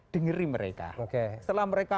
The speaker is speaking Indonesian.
dengerin mereka setelah mereka